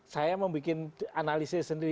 saya membuat analisis sendiri